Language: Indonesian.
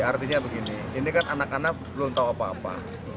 artinya begini ini kan anak anak belum tahu apa apa